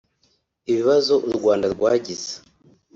Ibibazo u Rwanda twagize